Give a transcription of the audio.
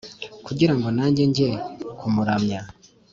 kugira ngo nanjye njye kumuramya